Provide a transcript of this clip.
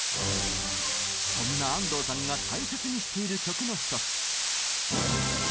そんな安藤さんが大切にしている曲の一つ。